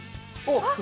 おっ！